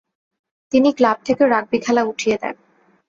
তিনি ক্লাব থেকে রাগবি খেলা উঠিয়ে দেন।